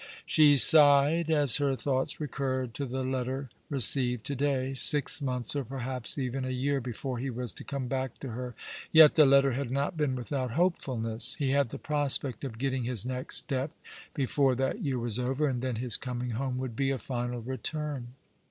She sighed as her thoughts recurred to the letter received to day. Six months, or perhaps even a year, before he was to come back to her ! Yet the letter had not been without hopefulness. He had the prospect of getting his next step before that year was over, and then his cominghome would be a final return.